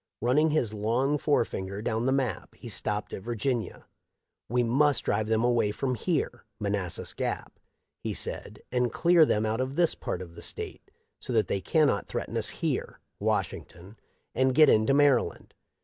Running his long forefinger down the map he stopped at Virginia. ' We must drive them away from here (Manassas Gap),' he said, ' and clear them out of this part of the State so that they cannot threaten us here (Washington) and get into Maryland.